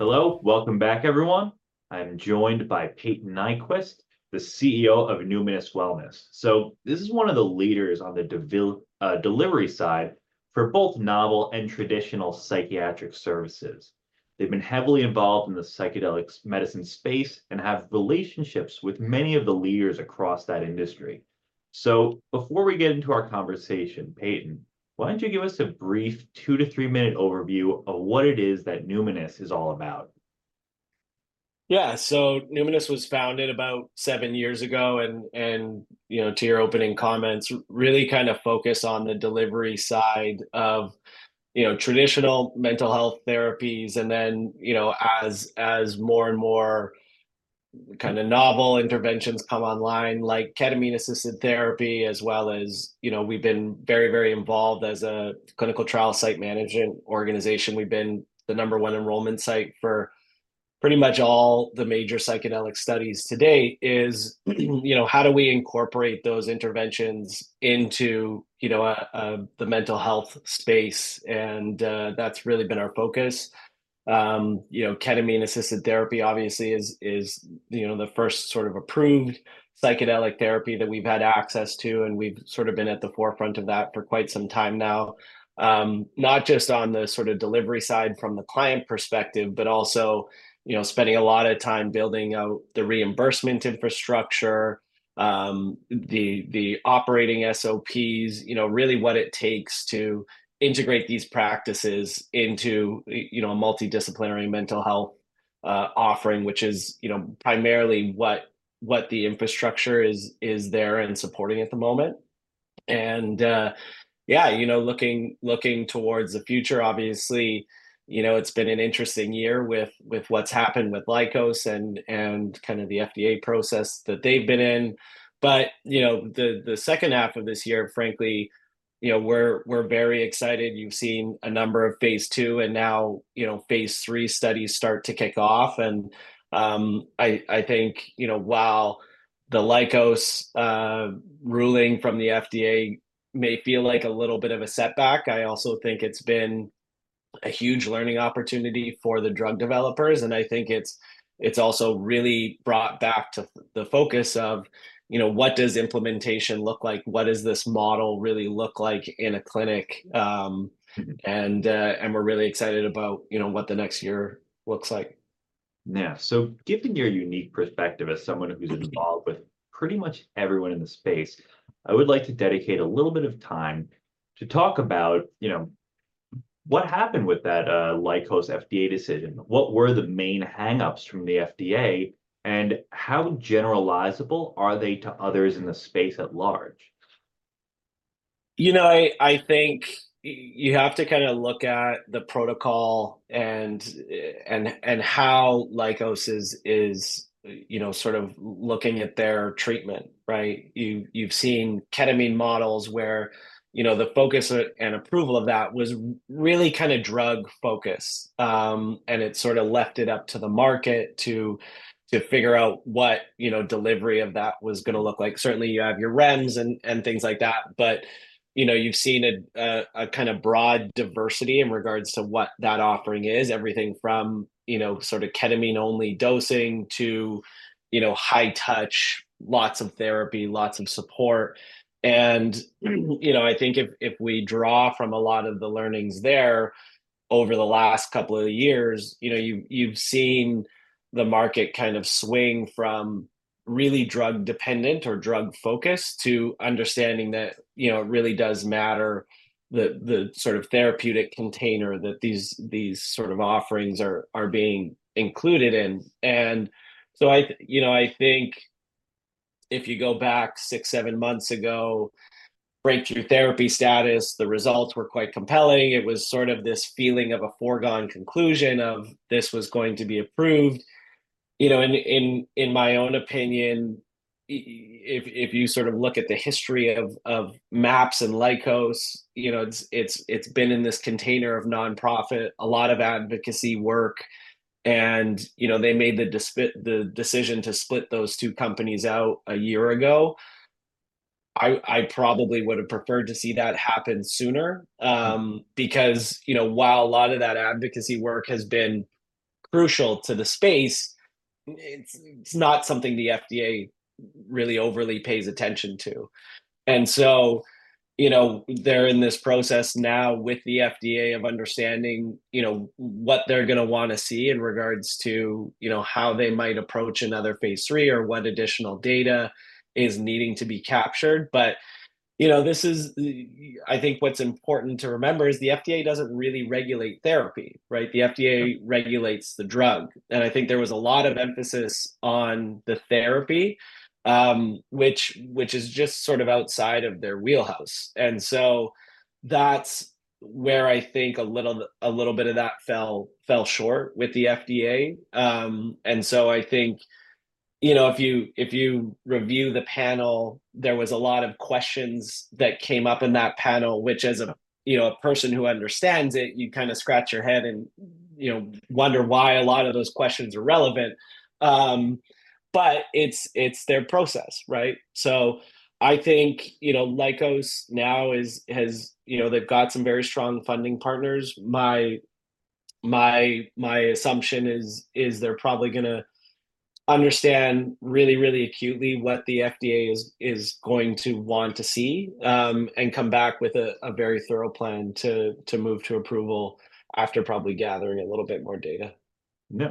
Hello. Welcome back, everyone. I'm joined by Payton Nyquvest, the CEO of Numinus Wellness. So this is one of the leaders on the delivery side for both novel and traditional psychiatric services. They've been heavily involved in the psychedelics medicine space, and have relationships with many of the leaders across that industry. So before we get into our conversation, Payton, why don't you give us a brief two to three-minute overview of what it is that Numinus is all about? Yeah. So Numinus was founded about seven years ago, and, you know, to your opening comments, really kind of focus on the delivery side of, you know, traditional mental health therapies, and then, you know, as more and more kind of novel interventions come online, like ketamine-assisted therapy, as well as, you know, we've been very involved as a clinical trial site management organization. We've been the number one enrollment site for pretty much all the major psychedelic studies to date. You know, how do we incorporate those interventions into, you know, the mental health space? And, that's really been our focus. You know, ketamine-assisted therapy obviously is, you know, the first sort of approved psychedelic therapy that we've had access to, and we've sort of been at the forefront of that for quite some time now. Not just on the sort of delivery side from the client perspective, but also, you know, spending a lot of time building out the reimbursement infrastructure, the operating SOPs, you know, really what it takes to integrate these practices into, you know, a multidisciplinary mental health offering, which is, you know, primarily what the infrastructure is there and supporting at the moment. And, yeah, you know, looking towards the future, obviously, you know, it's been an interesting year with what's happened with Lykos and kind of the FDA process that they've been in. But, you know, the second half of this year, frankly, you know, we're very excited. You've seen a number of Phase II and now, you know, Phase III studies start to kick off, and, I think, you know, while the Lykos ruling from the FDA may feel like a little bit of a setback, I also think it's been a huge learning opportunity for the drug developers, and I think it's also really brought back to the focus of, you know, what does implementation look like? What does this model really look like in a clinic? Mm-hmm And we're really excited about, you know, what the next year looks like. Yeah. So given your unique perspective as someone who's involved with pretty much everyone in the space, I would like to dedicate a little bit of time to talk about, you know, what happened with that, Lykos FDA decision. What were the main hang-ups from the FDA, and how generalizable are they to others in the space at large? You know, I think you have to kind of look at the protocol and how Lykos is, you know, sort of looking at their treatment, right? You've seen ketamine models where, you know, the focus and approval of that was really kind of drug focused, and it sort of left it up to the market to figure out what, you know, delivery of that was gonna look like. Certainly, you have your REMS and things like that, but you know, you've seen a kind of broad diversity in regards to what that offering is, everything from, you know, sort of ketamine-only dosing to, you know, high touch, lots of therapy, lots of support. You know, I think if, if we draw from a lot of the learnings there over the last couple of years, you know, you, you've seen the market kind of swing from really drug-dependent or drug-focused to understanding that, you know, it really does matter that the sort of therapeutic container that these, these sort of offerings are, are being included in. And so, you know, I think if you go back six, seven months ago, breakthrough therapy status, the results were quite compelling. It was sort of this feeling of a foregone conclusion of this was going to be approved. You know, in my own opinion, if you sort of look at the history of MAPS and Lykos, you know, it's been in this container of nonprofit, a lot of advocacy work, and, you know, they made the decision to split those two companies out a year ago. I probably would have preferred to see that happen sooner, because, you know, while a lot of that advocacy work has been crucial to the space, it's not something the FDA really overly pays attention to. And so, you know, they're in this process now with the FDA of understanding, you know, what they're gonna wanna see in regards to, you know, how they might approach another Phase III, or what additional data is needing to be captured. But, you know, this is. I think what's important to remember is the FDA doesn't really regulate therapy, right? The FDA regulates the drug. And I think there was a lot of emphasis on the therapy, which is just sort of outside of their wheelhouse. And so that's where I think a little bit of that fell short with the FDA. And so I think, you know, if you review the panel, there was a lot of questions that came up in that panel, which as a person who understands it, you kind of scratch your head and, you know, wonder why a lot of those questions are relevant. But it's their process, right? So I think, you know, Lykos now has... You know, they've got some very strong funding partners. My assumption is they're probably gonna. Understand really, really acutely what the FDA is going to want to see, and come back with a very thorough plan to move to approval after probably gathering a little bit more data. Yeah.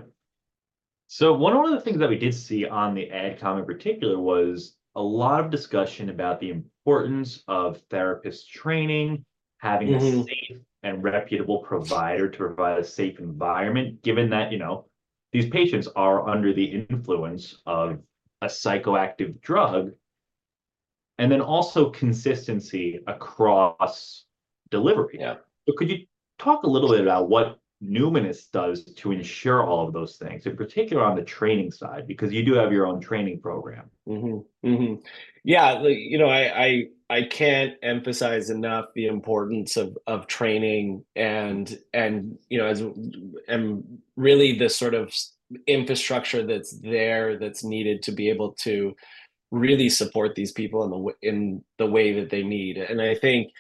So one of the things that we did see on the AdCom in particular was a lot of discussion about the importance of therapist training. Mm-hmm Having a safe and reputable provider to provide a safe environment, given that, you know, these patients are under the influence of a psychoactive drug, and then also consistency across delivery. Yeah. So could you talk a little bit about what Numinus does to ensure all of those things, in particular on the training side, because you do have your own training program? Mm-hmm. Mm-hmm. Yeah, like, you know, I can't emphasize enough the importance of training and, you know, and really the sort of infrastructure that's there that's needed to be able to really support these people in the way that they need. And I think,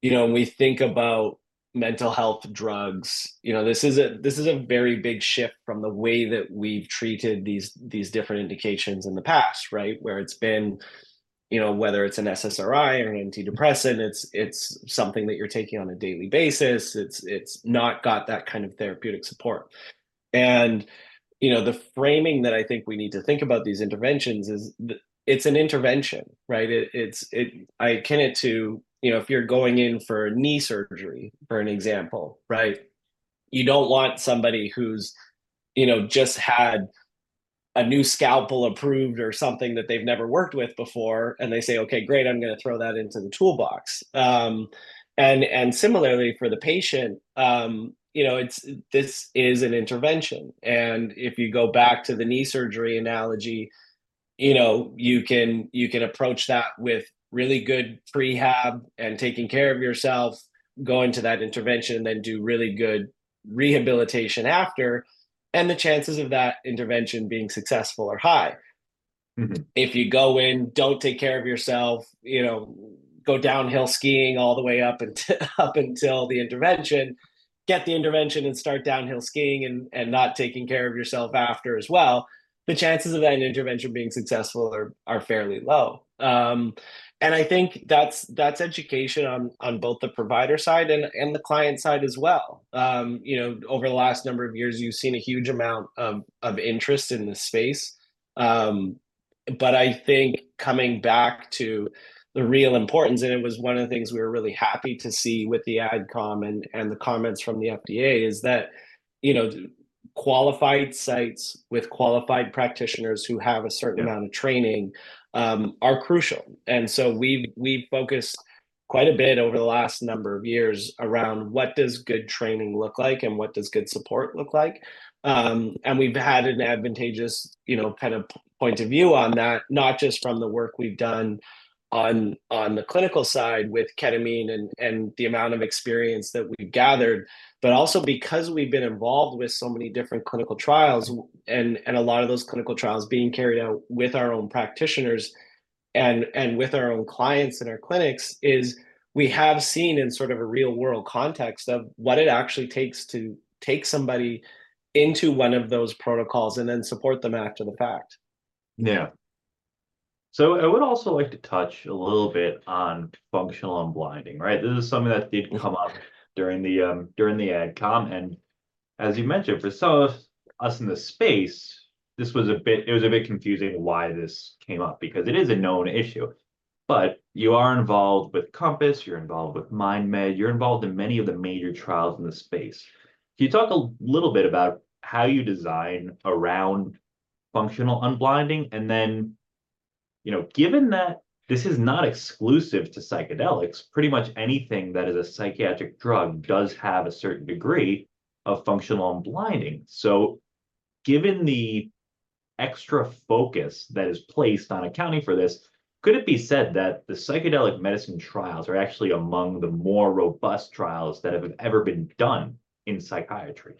you know, when we think about mental health drugs, you know, this is a very big shift from the way that we've treated these different indications in the past, right? Where it's been, you know, whether it's an SSRI or an antidepressant, it's something that you're taking on a daily basis. It's not got that kind of therapeutic support. And, you know, the framing that I think we need to think about these interventions is it's an intervention, right? It's. I akin it to, you know, if you're going in for a knee surgery, for an example, right? You don't want somebody who's, you know, just had a new scalpel approved or something that they've never worked with before, and they say, "Okay, great, I'm gonna throw that into the toolbox," and similarly for the patient, you know, this is an intervention, and if you go back to the knee surgery analogy, you know, you can approach that with really good prehab and taking care of yourself, go into that intervention, then do really good rehabilitation after, and the chances of that intervention being successful are high. Mm-hmm. If you go in, don't take care of yourself, you know, go downhill skiing all the way up until the intervention, get the intervention and start downhill skiing and not taking care of yourself after as well, the chances of that intervention being successful are fairly low, and I think that's education on both the provider side and the client side as well. You know, over the last number of years, you've seen a huge amount of interest in the space, but I think coming back to the real importance, and it was one of the things we were really happy to see with the AdCom and the comments from the FDA, is that, you know, qualified sites with qualified practitioners who have a certain. Yeah Amount of training are crucial. And so we've focused quite a bit over the last number of years around what does good training look like and what does good support look like? And we've had an advantageous, you know, kind of point of view on that, not just from the work we've done on the clinical side with ketamine and the amount of experience that we've gathered, but also because we've been involved with so many different clinical trials and a lot of those clinical trials being carried out with our own practitioners and with our own clients in our clinics, is we have seen in sort of a real-world context of what it actually takes to take somebody into one of those protocols and then support them after the fact. Yeah. So I would also like to touch a little bit on functional unblinding, right? This is something that did come up. Okay During the AdCom, and as you mentioned, for some of us in the space, this was a bit confusing why this came up, because it is a known issue. But you are involved with COMPASS, you're involved with MindMed, you're involved in many of the major trials in the space. Can you talk a little bit about how you design around functional unblinding? And then, you know, given that this is not exclusive to psychedelics, pretty much anything that is a psychiatric drug does have a certain degree of functional unblinding. So given the extra focus that is placed on accounting for this, could it be said that the psychedelic medicine trials are actually among the more robust trials that have ever been done in psychiatry?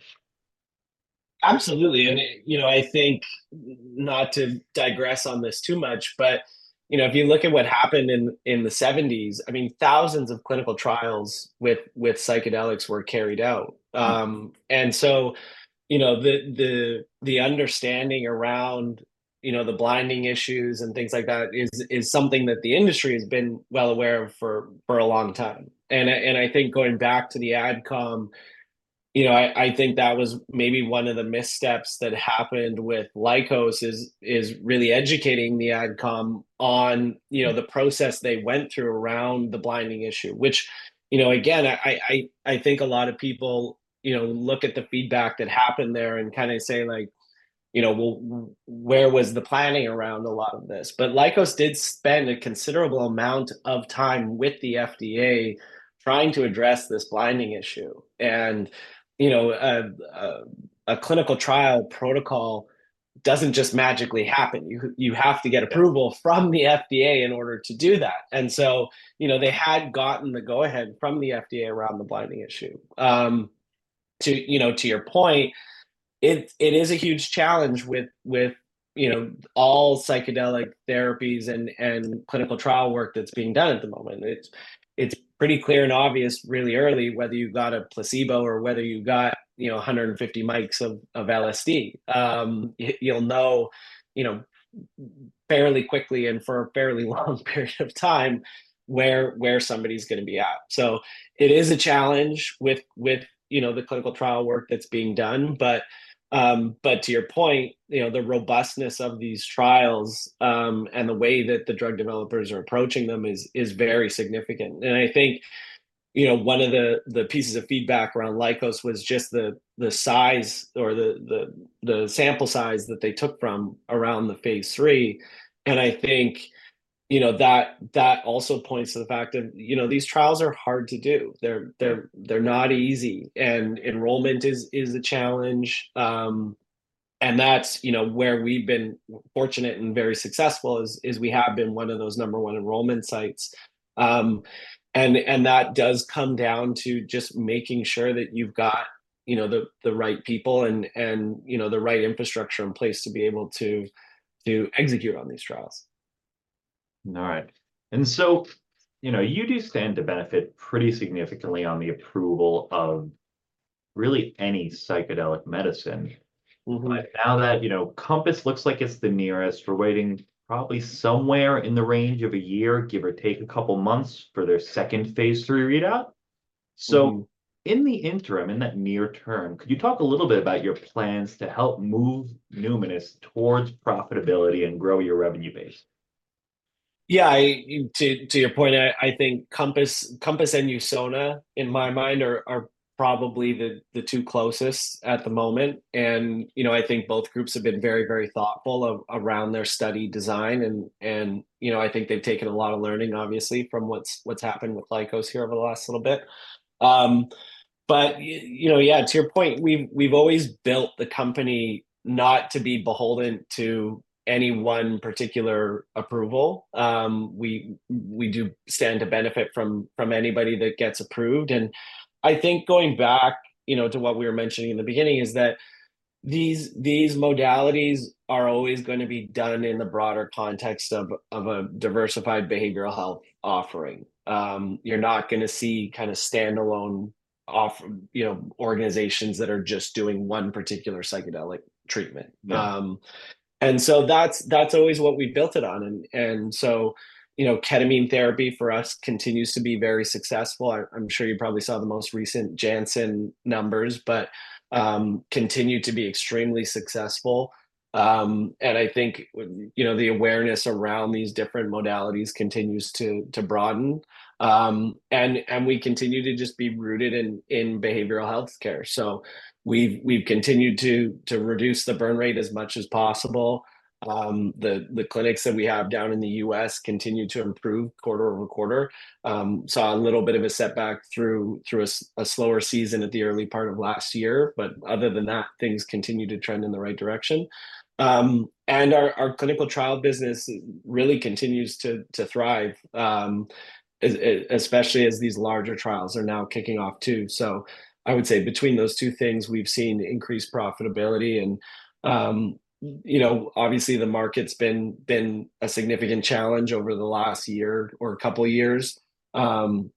Absolutely. And, you know, I think, not to digress on this too much, but, you know, if you look at what happened in the '70s, I mean, thousands of clinical trials with psychedelics were carried out. Mm. And so, you know, the understanding around, you know, the blinding issues and things like that is something that the industry has been well aware of for a long time. And I think going back to the AdCom, you know, I think that was maybe one of the missteps that happened with Lykos is really educating the AdCom on, you know- Mm The process they went through around the blinding issue. Which, you know, again, I think a lot of people, you know, look at the feedback that happened there and kind of say, like: "You know, well, where was the planning around a lot of this?" But Lykos did spend a considerable amount of time with the FDA trying to address this blinding issue. And, you know, a clinical trial protocol doesn't just magically happen, you have to get approval. Yeah From the FDA in order to do that. And so, you know, they had gotten the go-ahead from the FDA around the blinding issue. But to your point, it is a huge challenge with all psychedelic therapies and clinical trial work that's being done at the moment. It's pretty clear and obvious really early whether you've got a placebo or whether you got 150 mics of LSD. You'll know fairly quickly, and for a fairly long period of time, where somebody's gonna be at. So it is a challenge with the clinical trial work that's being done, but to your point, you know, the robustness of these trials and the way that the drug developers are approaching them is very significant. I think, you know, one of the pieces of feedback around Lykos was just the size or the sample size that they took from around the Phase III, and I think, you know, that also points to the fact of, you know, these trials are hard to do. They're not easy, and enrollment is a challenge. That's, you know, where we've been fortunate and very successful is we have been one of those number one enrollment sites. That does come down to just making sure that you've got, you know, the right people, and you know, the right infrastructure in place to be able to execute on these trials. All right, and so, you know, you do stand to benefit pretty significantly on the approval of really any psychedelic medicine. Mm-hmm. But now that, you know, COMPASS looks like it's the nearest. We're waiting probably somewhere in the range of a year, give or take a couple months, for their second Phase III readout. Mm. So in the interim, in that near term, could you talk a little bit about your plans to help move Numinus towards profitability and grow your revenue base? Yeah, to your point, I think COMPASS and Usona, in my mind, are probably the two closest at the moment, and you know, I think both groups have been very thoughtful around their study design, and you know, I think they've taken a lot of learning, obviously, from what's happened with Lykos here over the last little bit. But you know, yeah, to your point, we've always built the company not to be beholden to any one particular approval. We do stand to benefit from anybody that gets approved, and I think going back, you know, to what we were mentioning in the beginning, is that these modalities are always gonna be done in the broader context of a diversified behavioral health offering. You're not gonna see kinda standalone off- you know, organizations that are just doing one particular psychedelic treatment. Yeah. And so that's always what we built it on, and so, you know, ketamine therapy for us continues to be very successful. I'm sure you probably saw the most recent Janssen numbers, but continue to be extremely successful. And I think, you know, the awareness around these different modalities continues to broaden. And we continue to just be rooted in behavioral healthcare. So we've continued to reduce the burn rate as much as possible. The clinics that we have down in the U.S. continue to improve quarter over quarter. Saw a little bit of a setback through a slower season at the early part of last year, but other than that, things continue to trend in the right direction. And our clinical trial business really continues to thrive, especially as these larger trials are now kicking off, too. So I would say between those two things, we've seen increased profitability and, you know, obviously, the market's been a significant challenge over the last year or couple years. Can't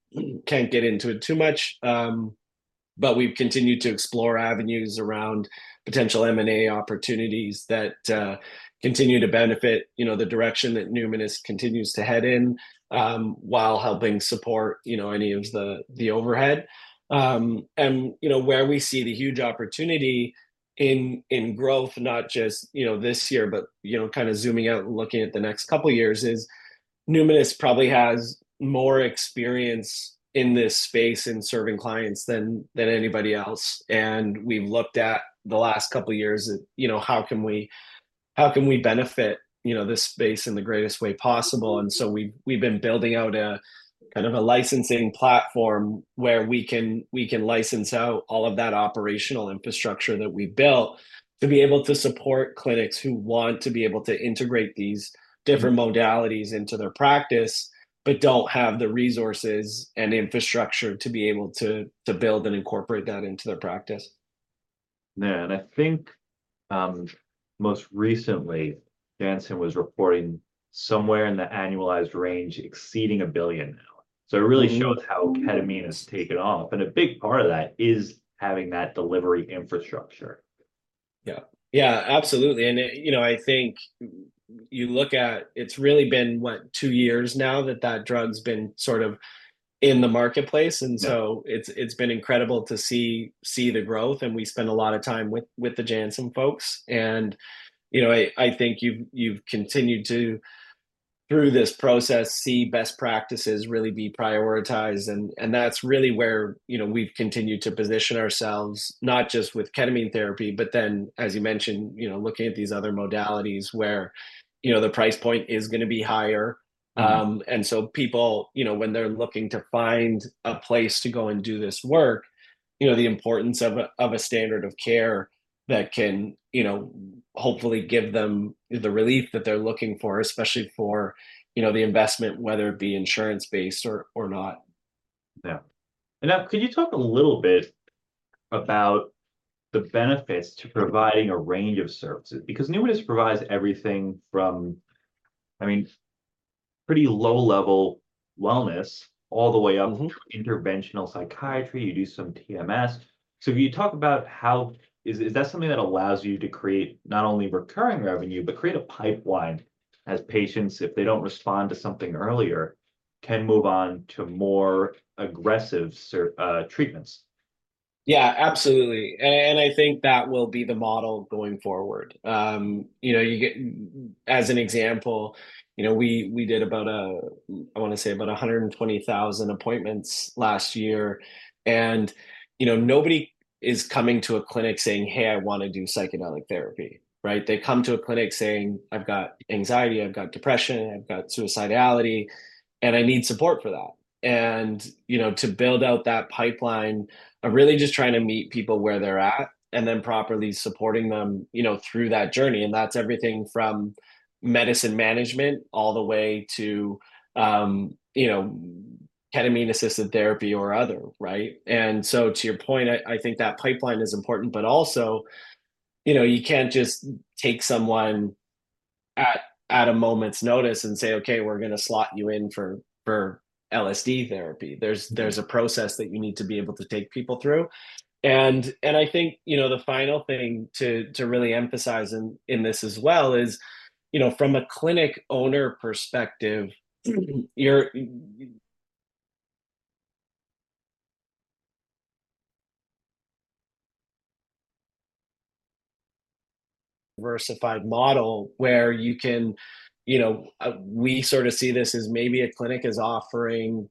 get into it too much, but we've continued to explore avenues around potential M&A opportunities that continue to benefit, you know, the direction that Numinus continues to head in, while helping support, you know, any of the overhead. And, you know, where we see the huge opportunity in growth, not just, you know, this year, but, you know, kinda zooming out and looking at the next couple years, is Numinus probably has more experience in this space in serving clients than anybody else. And we've looked at the last couple years at, you know, how can we benefit, you know, this space in the greatest way possible? And so we've been building out a kind of a licensing platform where we can license out all of that operational infrastructure that we've built to be able to support clinics who want to be able to integrate these different modalities into their practice, but don't have the resources and infrastructure to be able to build and incorporate that into their practice. Yeah, and I think, most recently, Janssen was reporting somewhere in the annualized range exceeding $1 billion now. Mm-hmm. So it really shows how ketamine has taken off, and a big part of that is having that delivery infrastructure. Yeah. Yeah, absolutely, and it... You know, I think you look at. It's really been, what, two years now that that drug's been sort of in the marketplace. Yeah And so it's been incredible to see the growth, and we spend a lot of time with the Janssen folks. And, you know, I think you've continued to, through this process, see best practices really be prioritized, and that's really where, you know, we've continued to position ourselves, not just with ketamine therapy, but then, as you mentioned, you know, looking at these other modalities where, you know, the price point is gonna be higher. Mm. And so people, you know, when they're looking to find a place to go and do this work, you know, the importance of a standard of care that can, you know, hopefully give them the relief that they're looking for, especially for, you know, the investment, whether it be insurance-based or not. Yeah, and now, could you talk a little bit about the benefits to providing a range of services? Because Numinus provides everything from, I mean, pretty low-level wellness all the way up- Mm-hmm To interventional psychiatry. You do some TMS. So if you talk about how is that something that allows you to create not only recurring revenue, but create a pipeline as patients, if they don't respond to something earlier, can move on to more aggressive treatments? Yeah, absolutely, and I think that will be the model going forward. You know, as an example, you know, we did about, I wanna say about 120,000 appointments last year, and, you know, nobody is coming to a clinic saying, "Hey, I wanna do psychedelic therapy," right? They come to a clinic saying, "I've got anxiety, I've got depression, I've got suicidality, and I need support for that," and you know, to build out that pipeline of really just trying to meet people where they're at, and then properly supporting them, you know, through that journey, and that's everything from medicine management all the way to, you know, ketamine-assisted therapy or other, right? And so to your point, I think that pipeline is important, but also, you know, you can't just take someone at a moment's notice and say, "Okay, we're gonna slot you in for LSD therapy. Mm. There's a process that you need to be able to take people through. I think you know the final thing to really emphasize in this as well is you know from a clinic owner perspective you're... diversified model where you can you know we sort of see this as maybe a clinic is offering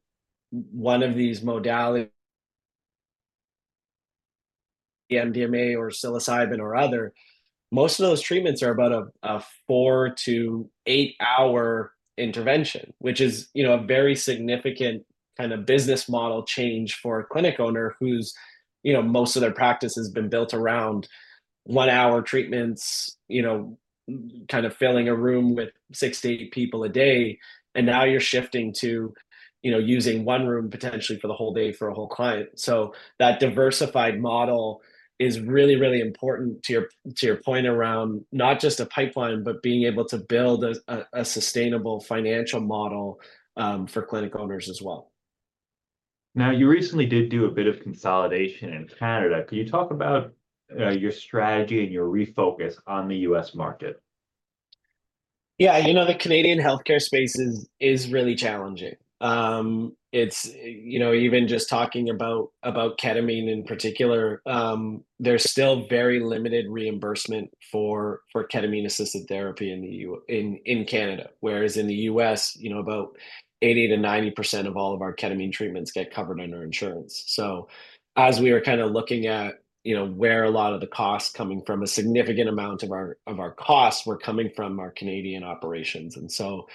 one of these modalities MDMA or psilocybin or other. Most of those treatments are about a four- to eight-hour intervention which is you know a very significant kind of business model change for a clinic owner whose you know most of their practice has been built around one-hour treatments you know kind of filling a room with six to eight people a day and now you're shifting to you know using one room potentially for the whole day for a whole client. That diversified model is really, really important to your point around not just a pipeline, but being able to build a sustainable financial model for clinic owners as well. Now, you recently did do a bit of consolidation in Canada. Can you talk about your strategy and your refocus on the U.S. market? Yeah, you know, the Canadian healthcare space is really challenging. You know, even just talking about ketamine in particular, there's still very limited reimbursement for ketamine-assisted therapy in Canada, whereas in the U.S., you know, about 80%-90% of all of our ketamine treatments get covered under insurance. So as we were kind of looking at, you know, where a lot of the costs coming from, a significant amount of our costs were coming from our Canadian operations. And so,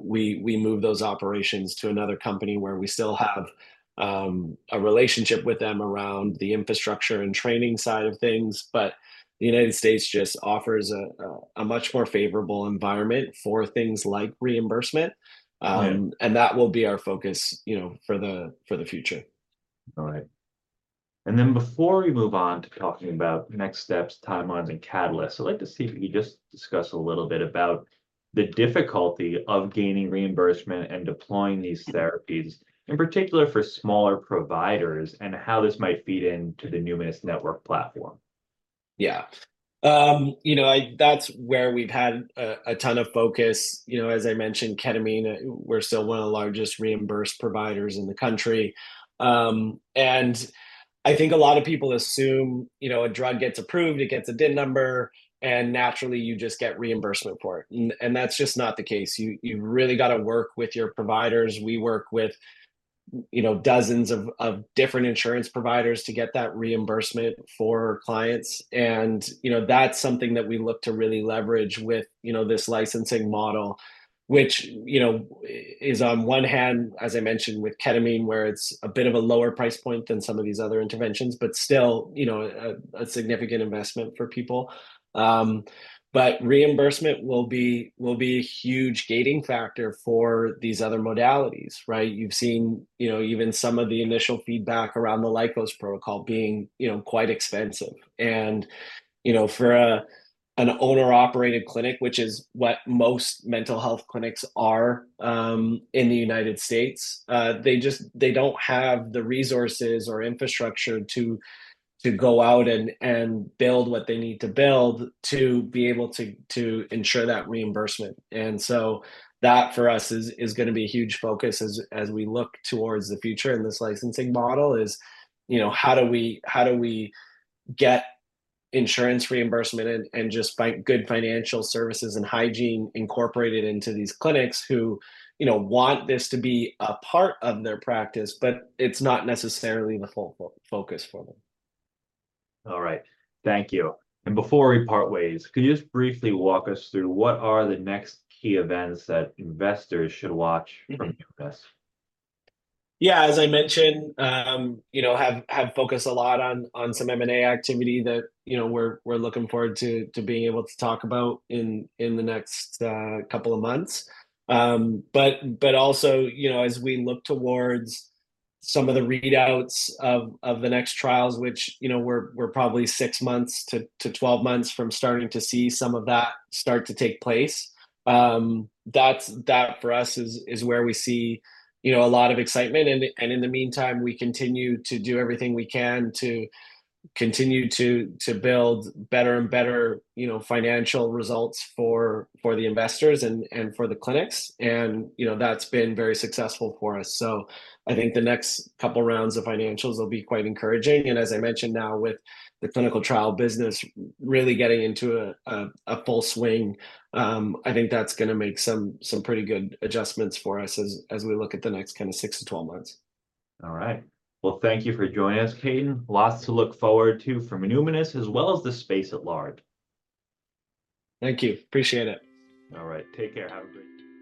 we moved those operations to another company where we still have a relationship with them around the infrastructure and training side of things. But the United States just offers a much more favorable environment for things like reimbursement. Right. And that will be our focus, you know, for the future. All right. And then before we move on to talking about next steps, timelines, and catalysts, I'd like to see if you could just discuss a little bit about the difficulty of gaining reimbursement and deploying these therapies, in particular for smaller providers, and how this might feed into the Numinus Network platform. Yeah. You know, that's where we've had a ton of focus. You know, as I mentioned, ketamine, we're still one of the largest reimbursed providers in the country, and I think a lot of people assume, you know, a drug gets approved, it gets a DIN number, and naturally, you just get reimbursement for it, and that's just not the case. You've really gotta work with your providers. We work with, you know, dozens of different insurance providers to get that reimbursement for clients, and, you know, that's something that we look to really leverage with, you know, this licensing model, which, you know, is on one hand, as I mentioned with ketamine, where it's a bit of a lower price point than some of these other interventions, but still, you know, a significant investment for people. But reimbursement will be a huge gating factor for these other modalities, right? You've seen, you know, even some of the initial feedback around the Lykos protocol being, you know, quite expensive. And, you know, for an owner-operated clinic, which is what most mental health clinics are, in the United States, they just. They don't have the resources or infrastructure to go out and build what they need to build to be able to ensure that reimbursement. And so that, for us, is gonna be a huge focus as we look towards the future in this licensing model is, you know, how do we get insurance reimbursement and just good financial services and hygiene incorporated into these clinics who, you know, want this to be a part of their practice, but it's not necessarily the whole focus for them? All right, thank you. And before we part ways, could you just briefly walk us through what are the next key events that investors should watch? Mm-hmm From Numinus? Yeah, as I mentioned, you know, we have focused a lot on some M&A activity that, you know, we're looking forward to being able to talk about in the next couple of months, but also, you know, as we look towards some of the readouts of the next trials, which, you know, we're probably six months to 12 months from starting to see some of that start to take place, that's, for us, is where we see, you know, a lot of excitement, and in the meantime, we continue to do everything we can to continue to build better and better, you know, financial results for the investors and for the clinics, and, you know, that's been very successful for us. So I think the next couple of rounds of financials will be quite encouraging, and as I mentioned, now with the clinical trial business really getting into a full swing, I think that's gonna make some pretty good adjustments for us as we look at the next kind of six to 12 months. All right. Well, thank you for joining us, Payton. Lots to look forward to from Numinus, as well as the space at large. Thank you. Appreciate it. All right, take care. Have a great day.